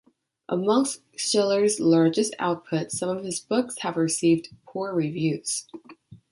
Amongst Schiller's large output, some of his books have received poor reviews.